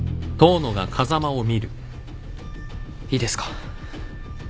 いいですか？